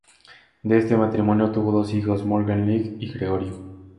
De este matrimonio tuvo dos hijos, Morgan Leigh y Gregorio.